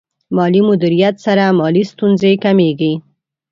مالي مدیریت سره مالي ستونزې کمېږي.